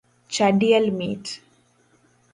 Cha diel mit